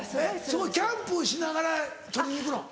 そこへキャンプしながら採りに行くの？